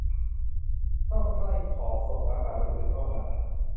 ช่องใกล้ขอบส่งอากาศบริสุทธิ์เข้ามา